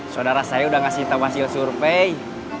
saudara saya udah ngasih tamasil survei